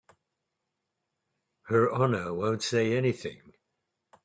Her Honor won't say anything.